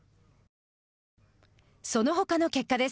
そのほかの結果です。